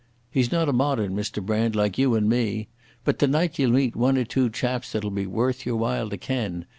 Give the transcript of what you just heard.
He's not a Modern, Mr Brand, like you and me. But tonight ye'll meet one or two chaps that'll be worth your while to ken.